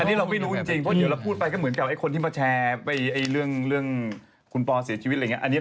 อันนี้เราไม่รู้จริงเพราะเดี๋ยวเราพูดไปก็เหมือนกับคนที่มาแชร์เรื่องคุณปอเสียชีวิตอะไรอย่างนี้